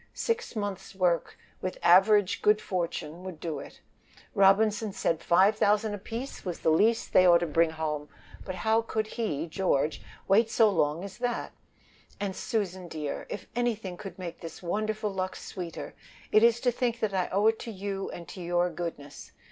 Six months' work, with average good fortune, would do it. Robinson said five thousand apiece was the least they ought to bring home; but how could he (George) wait so long as that would take! "And, Susan, dear, if anything could make this wonderful luck sweeter, it is to think that I owe it to you and to your goodness.